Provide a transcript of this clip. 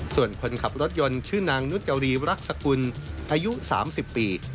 ส่วนคนขับรถยนต์ชื่อนางนุจรีรักษกุลอายุ๓๐ปี